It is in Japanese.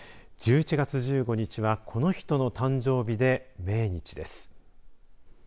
１１月１５日はこの人の誕生日で命日です。